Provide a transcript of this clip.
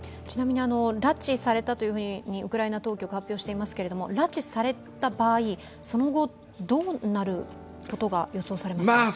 ちなみに拉致されたというふうにウクライナ当局は発表していますけれども拉致された場合、その後、どうなることが予想されますか。